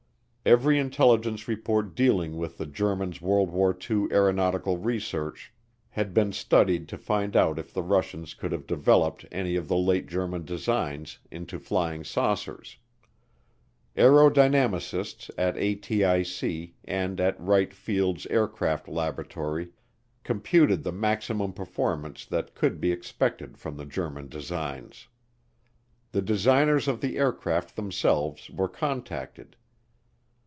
Every intelligence report dealing with the Germans' World War II aeronautical research had been studied to find out if the Russians could have developed any of the late German designs into flying saucers. Aerodynamicists at ATIC and at Wright Field's Aircraft Laboratory computed the maximum performance that could be expected from the German designs. The designers of the aircraft themselves were contacted.